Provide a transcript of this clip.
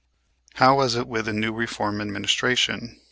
How was it with the new reform administration?